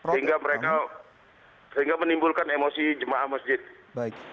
sehingga menimbulkan emosi jemaah masjid